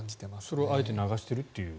それをあえて流しているという。